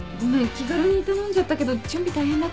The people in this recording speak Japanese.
気軽に頼んじゃったけど準備大変だったよね？